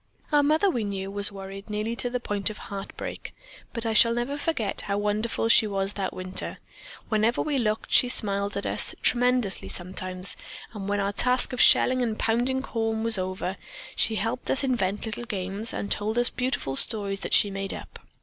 "Our mother, we knew, was worried nearly to the point of heartbreak, but I shall never forget how wonderful she was that winter. Whenever we looked, she smiled at us, tremulously sometimes, and when our task of shelling and pounding corn was over, she helped us invent little games and told us beautiful stories that she made up.